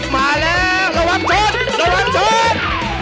มาแล้วระวังชนระวังชน